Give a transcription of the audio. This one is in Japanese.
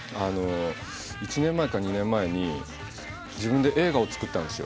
１年前か２年前に自分で映画を作ったんですよ。